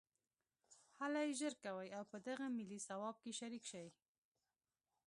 هلئ ژر کوئ او په دغه ملي ثواب کې شریک شئ